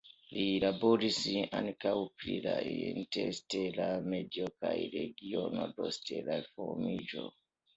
Li laboris ankaŭ pri la interstela medio kaj la regionoj de stela formiĝo.